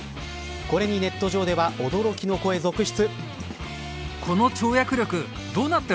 これにネット上では驚きの声が続出。